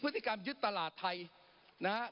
ปรับไปเท่าไหร่ทราบไหมครับ